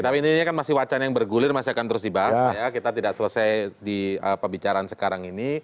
tapi ini kan masih wacana yang bergulir masih akan terus dibahas kita tidak selesai di pembicaraan sekarang ini